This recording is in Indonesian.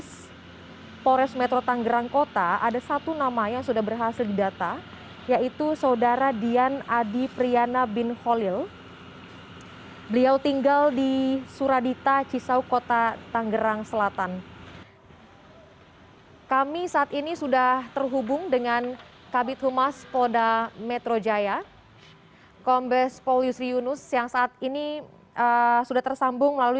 setengah juta kursi agar mendapat dtuntut satu heli ketuan tiga